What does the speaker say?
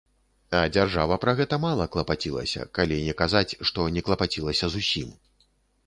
А дзяржава пра гэта мала клапацілася, калі не казаць, што не клапацілася зусім.